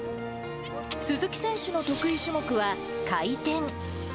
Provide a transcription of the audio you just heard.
鈴木選手の得意種目は、回転。